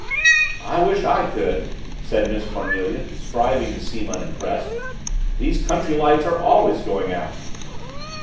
"I wish I could," said Miss Cornelia, striving to seem unimpressed. "These country lights are always going out."